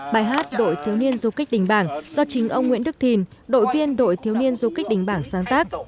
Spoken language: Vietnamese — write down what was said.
bài hát đội thiếu niên du kích đình bảng do chính ông nguyễn đức thìn đội viên đội thiếu niên du kích đình bảng sáng tác